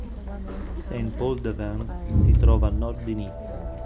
Saint-Paul-de-Vence si trova a nord di Nizza.